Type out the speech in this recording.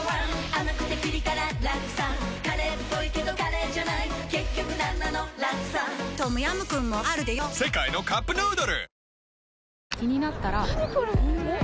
甘くてピリ辛ラクサカレーっぽいけどカレーじゃない結局なんなのラクサトムヤムクンもあるでヨ世界のカップヌードル